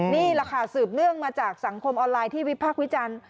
นี่แหละค่ะสืบเนื่องมาจากสังคมออนไลน์ที่วิพากษ์วิจารณ์